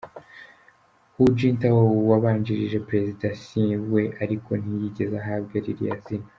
Hu Jintao wabanjirije Perezida Xi we ariko ntiyigeze ahabwa ririya zina.